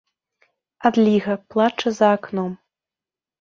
Адліга плача за акном.